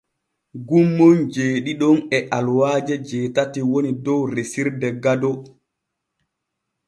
Gommon jeeɗiɗon e aluwaaje jeetati woni dow resirde Gado.